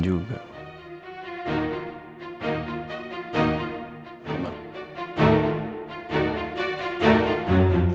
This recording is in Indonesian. boleh kamu makan